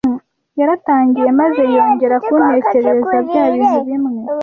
Yaratangiye maze yongera kuntekerereza bya bintu bimwe